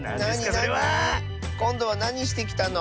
それは⁉こんどはなにしてきたの？